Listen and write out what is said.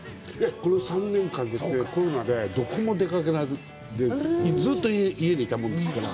この３年間ですね、コロナでどこにも出かけられず、ずっと家にいたもんですから。